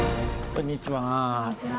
こんにちは。